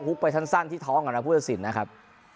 ไปสั้นที่ท้องกับนักพุทธศิลป์นะครับ